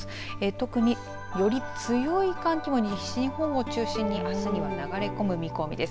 特により強い寒気が西日本を中心にあすには流れ込む見込みです。